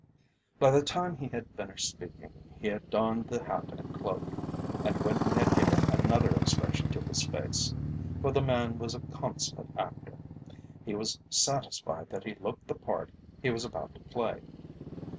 By the time he had finished speaking he had donned the hat and cloak, and when he had given another expression to his face for the man was a consummate actor he was satisfied that he looked the part he was about to play.